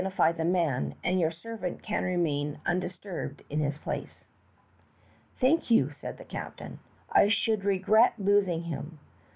289 the man, and jour servant can remain undis turbed in his place." "Thank you," said the captain. "I should regret losing him.